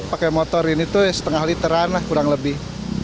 pakai motor ini tuh setengah literan lah kurang lebih